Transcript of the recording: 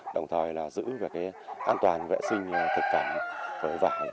đồng thời giữ an toàn vệ sinh thực cảm với vải